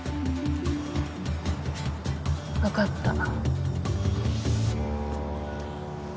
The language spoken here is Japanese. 分かった。